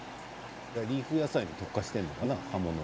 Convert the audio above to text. リーフ野菜に特化しているのかな？